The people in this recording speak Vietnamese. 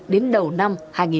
đến đầu năm hai nghìn hai mươi hai